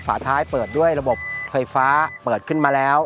ฝาท้ายเปิดด้วยระบบไฟฟ้าเปิดขึ้นมาแล้ว